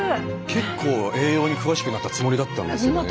結構栄養に詳しくなったつもりだったんですけどね。